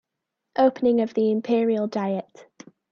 Opening of the Imperial diet